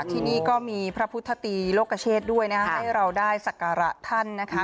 ที่นี่ก็มีพระพุทธตีโลกเชษด้วยนะให้เราได้สักการะท่านนะคะ